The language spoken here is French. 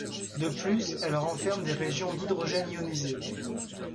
De plus, elle renferme des régions d'hydrogène ionisé.